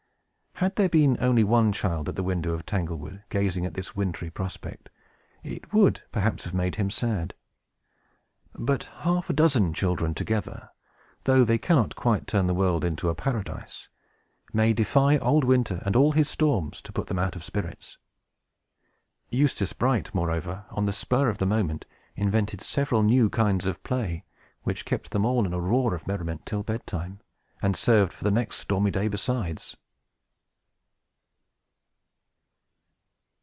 Had there been only one child at the window of Tanglewood, gazing at this wintry prospect, it would perhaps have made him sad. But half a dozen children together, though they cannot quite turn the world into a paradise, may defy old Winter and all his storms to put them out of spirits. Eustace Bright, moreover, on the spur of the moment, invented several new kinds of play, which kept them all in a roar of merriment till bedtime, and served for the next stormy day besides.